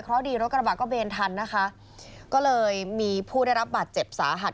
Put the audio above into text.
เพราะดีรถกระบะก็เบนทันนะคะก็เลยมีผู้ได้รับบาดเจ็บสาหัส